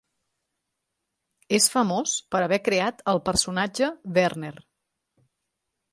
És famós per haver creat el personatge Werner.